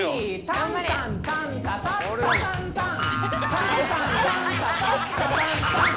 タンタンタンタン！タッタタンタン！